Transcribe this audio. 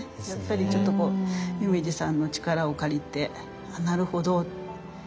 やっぱりちょっと夢二さんの力を借りてあなるほどって。